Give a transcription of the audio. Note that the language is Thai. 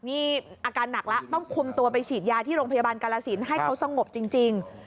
นี่อาการหนักแล้วต้องคุมตัวไปฉีดยาที่โรงพยาบาลกาลสินให้เขาสงบจริง